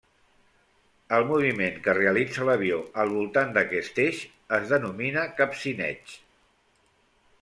El moviment que realitza l'avió al voltant d'aquest eix es denomina capcineig.